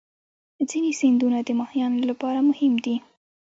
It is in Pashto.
ځینې سیندونه د ماهیانو لپاره مهم دي.